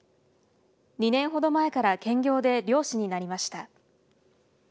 ２年ほど前から兼業で漁師になりました。